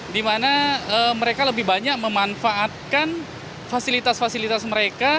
di mana mereka lebih banyak memanfaatkan fasilitas fasilitas mereka